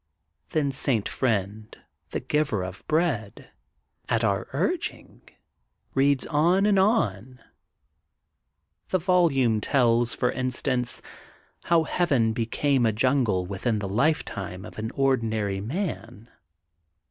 '' Then St. Friend the Giver of Bread, at our urging, reads on and on. The volume tells, for instance, how Heaven became a jungle within the lifetime of an ordinary man.